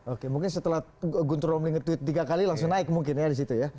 oke mungkin setelah guntur romling nge tweet tiga kali langsung naik mungkin ya di situ ya